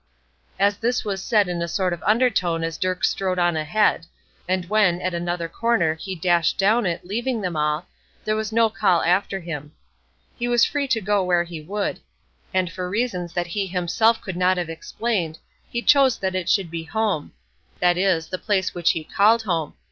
As this was said in a sort of undertone as Dirk strode on ahead; and when, at another corner, he dashed down it, leaving them all, there was no call after him. He was free to go where he would, and for reasons that he himself could not have explained he chose that it should be home, that is, the place which he called home.